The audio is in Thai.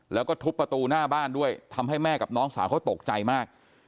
แล้วก็ทุบประตูหน้าบ้านด้วยทำให้แม่กับน้องสาวเขาตกใจมาก